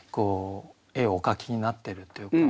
絵をお描きになってるというか。